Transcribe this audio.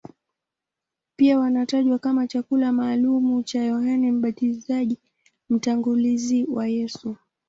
Pia wanatajwa kama chakula maalumu cha Yohane Mbatizaji, mtangulizi wa Yesu.